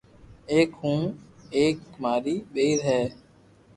ايڪ ھون ھون ايڪ ماري ڀيئير ھي